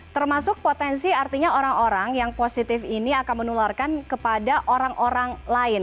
termasuk potensi artinya orang orang yang positif ini akan menularkan kepada orang orang lain